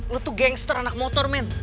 lu tuh gangster anak motor men